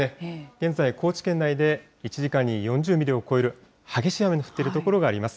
現在、高知県内で１時間に４０ミリを超える激しい雨の降っている所があります。